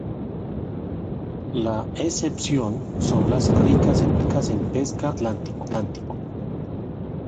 La excepción son las aguas ricas en pesca del Atlántico.